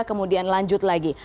kemudian lanjut lagi